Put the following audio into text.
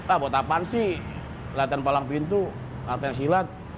ah buat apaan sih latihan palang pintu latihan silat